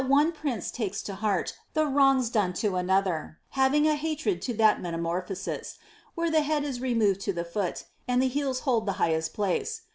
107 iM prince tskes to hnurt the wrongs done to another, hmving a hatred to that mctamorphosiaf wliere the head is removed to the foot, and the heels hold the hi|faest place.